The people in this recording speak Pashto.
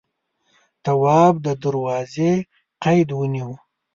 تواب د دروازې قید ونيو.